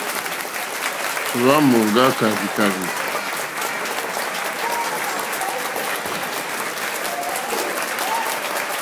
Hwá mɔ̀ŋgá kàrzìkàrzì.